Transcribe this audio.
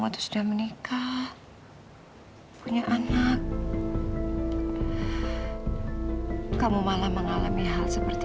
tidak mungkin aku membawa vino pa